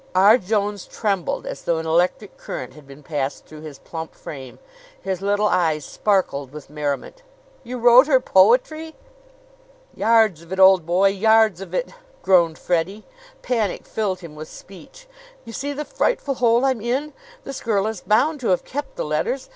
R. Jones trembled as though an electric current had been passed through his plump frame. His little eyes sparkled with merriment. "You wrote her poetry!" "Yards of it, old boy yards of it!" groaned Freddie. Panic filled him with speech. "You see the frightful hole I'm in? This girl is bound to have kept the letters.